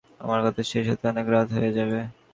আমার কথা শেষ হতে অনেক রাত হয়ে যাবে।